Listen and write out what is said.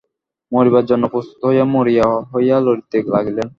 মরিবার জন্য প্রস্তুত হইয়া মরিয়া হইয়া লড়িতে লাগিলেন।